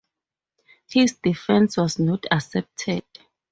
His defence was not accepted.